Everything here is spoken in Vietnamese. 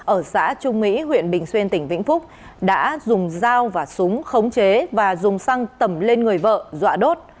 ở xã trung mỹ huyện bình xuyên tỉnh vĩnh phúc đã dùng dao và súng khống chế và dùng xăng tẩm lên người vợ dọa đốt